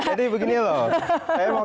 jadi begini loh